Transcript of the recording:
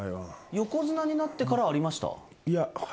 横綱になってからありました？